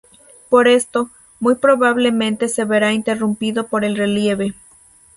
Por esto, muy probablemente se verá interrumpido por el relieve.